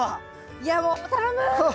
いやもう頼む！